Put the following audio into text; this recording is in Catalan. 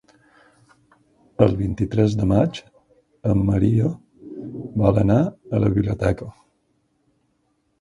El vint-i-tres de maig en Maria vol anar a la biblioteca.